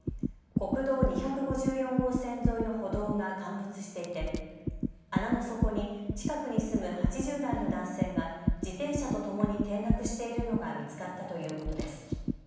国道２５４号線沿いの歩道が陥没していて穴の底に、近くに住む８０代の男性が自転車とともに転落しているのが見つかったということです。